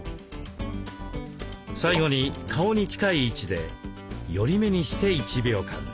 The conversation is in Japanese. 最後に顔に近い位置で寄り目にして１秒間。